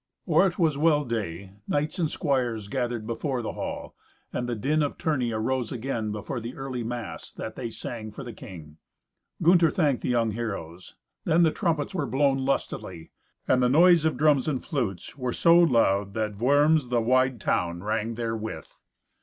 Or it was well day, knights and squires gathered before the hall, and the din of tourney arose again before the early mass that they sang for the king. Gunther thanked the young heroes. Then the trumpets were blown lustily, and the noise of drums and flutes were so loud that Worms, the wide town, rang therewith.